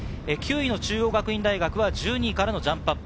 中央学院大学は１２位からのジャンプアップ。